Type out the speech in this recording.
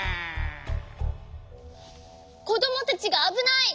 こどもたちがあぶない！